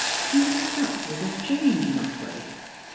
She was struck with a change in Otway.